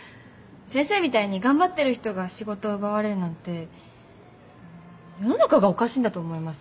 先生みたいに頑張ってる人が仕事を奪われるなんて世の中がおかしいんだと思います。